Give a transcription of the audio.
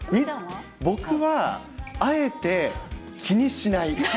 僕はあえて、気にしない。